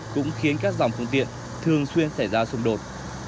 cũng khiến các dòng phương tiện thường xuyên xảy ra xung đột